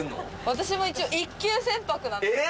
私も一応一級船舶なんです。